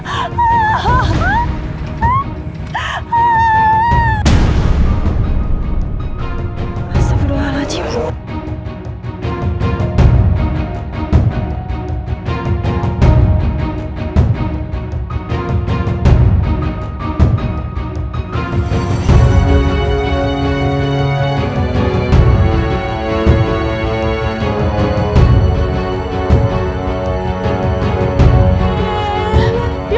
astagfirullahaladzim ya allah